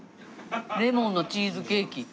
レモンのチーズケーキ。